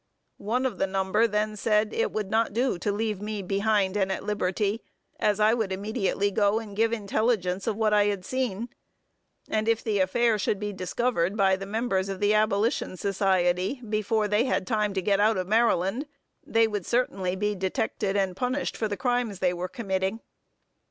One of the number then said it would not do to leave me behind, and at liberty, as I would immediately go and give intelligence of what I had seen; and if the affair should be discovered by the members of the abolition society, before they had time to get out of Maryland, they would certainly be detected and punished for the crimes they were committing.